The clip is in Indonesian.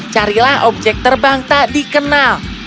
carilah objek terbang tak dikenal